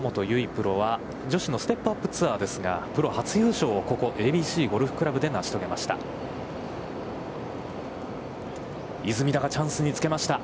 プロは女子のステップアップツアーですが、プロ初優勝をここＡＢＣゴルフ倶楽部でなし遂げました。